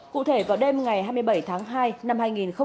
cụ thể vào đêm ngày hai mươi bảy tháng hai năm hai nghìn một mươi chín